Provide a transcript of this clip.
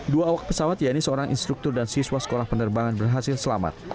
dua awak pesawat yaitu seorang instruktur dan siswa sekolah penerbangan berhasil selamat